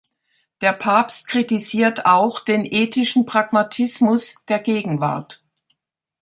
Der Papst kritisiert auch den ethischen Pragmatismus der Gegenwart.